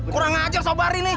kurang ngajak sobari nih